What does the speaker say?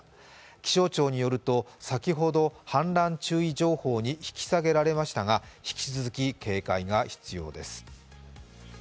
気象庁によると、先ほど氾濫注意情報に引き下げられましたが、引き続き警戒が必要です。